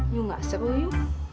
you nggak seru you